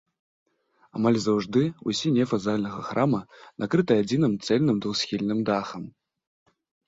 Амаль заўжды ўсе нефы зальнага храма накрытыя адзіным цэльным двухсхільным дахам.